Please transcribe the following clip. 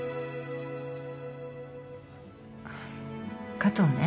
加藤ね